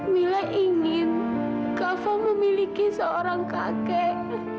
mila ingin kau memiliki seorang kakek